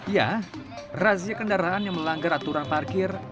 ya razia kendaraan yang melanggar aturan parkir